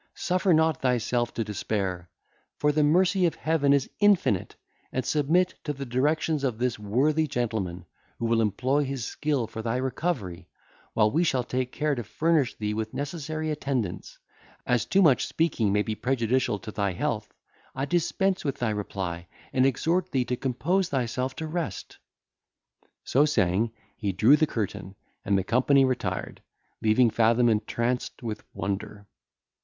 Suffer not thyself to despair; for the mercy of Heaven is infinite; and submit to the directions of this worthy gentleman, who will employ his skill for thy recovery, while we shall take care to furnish thee with necessary attendance. As too much speaking may be prejudicial to thy health, I dispense with thy reply, and exhort thee to compose thyself to rest." So saying, he drew the curtain, and the company retired, leaving Fathom entranced with wonder.